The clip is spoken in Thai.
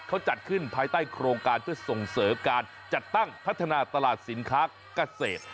เขาจัดขึ้นภายใต้โครงการเพื่อส่งเสริมการจัดตั้งพัฒนาตลาดสินค้าเกษตร